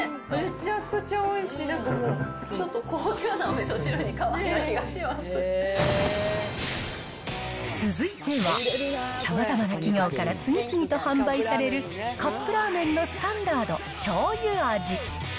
ちょっと高級なおみそ汁に変続いては、さまざまな企業から次々と販売されるカップラーメンのスタンダード、しょうゆ味。